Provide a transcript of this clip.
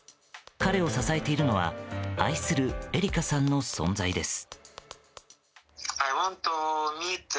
彼を支えているのは愛するえりかさんの存在です。